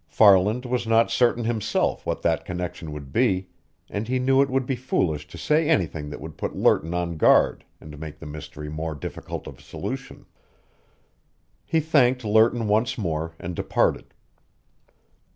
Farland was not certain himself what that connection would be, and he knew it would be foolish to say anything that would put Lerton on guard and make the mystery more difficult of solution. He thanked Lerton once more and departed.